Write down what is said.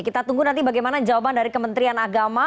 kita tunggu nanti bagaimana jawaban dari kementerian agama